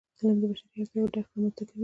علم د بشري اړتیاوو درک رامنځته کوي.